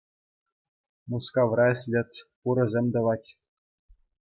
Мускавра ӗҫлет, пурасем тӑвать.